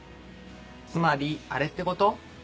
つまりあれってこと？